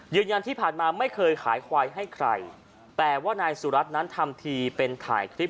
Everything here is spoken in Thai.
ยืนยันที่ผ่านมาไม่เคยขายควายให้ใครแต่ว่านายสุรัตน์นั้นทำทีเป็นถ่ายคลิป